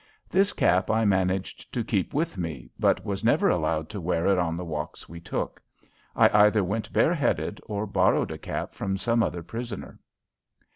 This cap I managed to keep with me, but was never allowed to wear it on the walks we took. I either went bareheaded or borrowed a cap from some other prisoner.